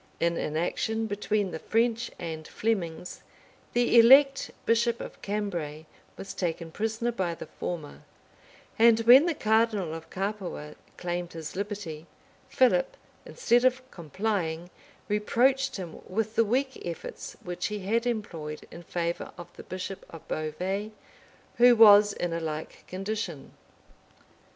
In an action between the French and Flemings, the elect bishop of Cambray was taken prisoner by the former; and when the cardinal of Capua claimed his liberty, Philip, instead of complying, reproached him with the weak efforts which he had employed in favor of the bishop of Beauvais, who was in a like condition.